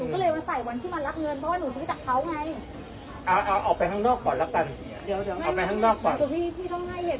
หนูเป็นประชาชนนะพี่